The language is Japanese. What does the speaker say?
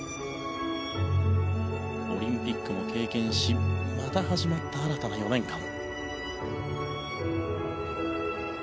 オリンピックも経験しまた始まった新たな４年間。